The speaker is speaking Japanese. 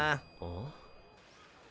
ん？